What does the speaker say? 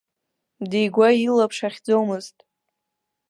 Дигәа илаԥш ахьӡомызт.